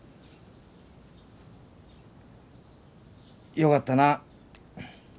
よかったな。